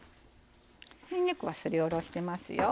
にんにくはすり下ろしてますよ。